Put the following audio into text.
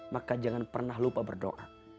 maka jangan pernah lupa berdoa